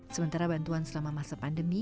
sementara bantuan selama masa pandemi